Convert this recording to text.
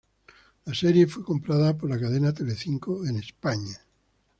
La serie fue comprada por la cadena Telecinco en España.